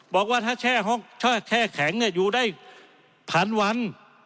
บอกว่าถ้าแช่แข็งเนี่ยอยู่ได้พันวัน